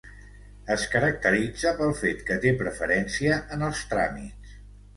Es caracteritza pel fet que té preferència en els tràmits.